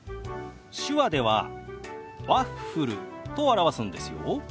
手話では「ワッフル」と表すんですよ。